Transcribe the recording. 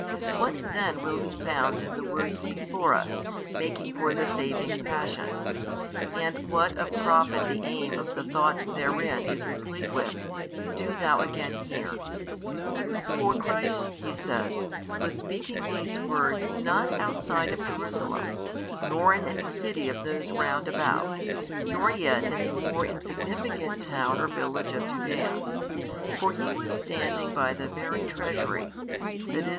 What then will be found in the words before us making for the saving Passion, and what of profit the aim of the thoughts therein is replete with, do thou again hear. For Christ (he says) was speaking these words not outside of Jerusalem, nor in any city of those round about, nor yet in a more insignificant town or village of Judaea, for He was standing by the very treasury, i. e.